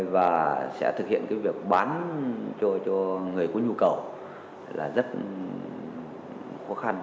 và sẽ thực hiện cái việc bán cho người có nhu cầu là rất khó khăn